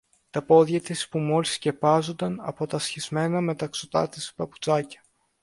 Τα πόδια της που μόλις σκεπάζουνταν από τα σχισμένα μεταξωτά της παπουτσάκια